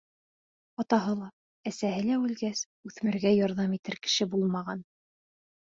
Атаһы ла, әсәһе лә үлгәс, үҫмергә ярҙам итер кеше булмаған.